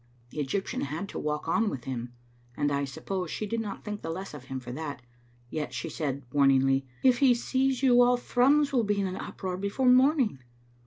The Egyptian had to walk on with him, and I sup pose she did not think the less of him for that. Yet she said, warningly —" If he sees you, all Thrums will be in an uproar be fore morning."